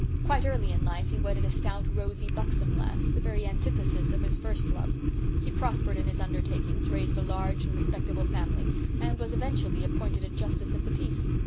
Quite early in life he wedded a stout, rosy, buxom lass, the very antithesis of his first love; he prospered in his undertakings, raised a large and respectable family, and was eventually appointed a Justice of the Peace.